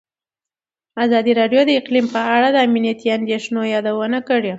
ازادي راډیو د اقلیم په اړه د امنیتي اندېښنو یادونه کړې.